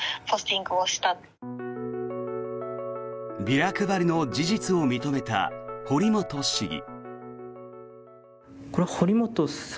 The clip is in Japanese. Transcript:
ビラ配りの事実を認めた堀本市議。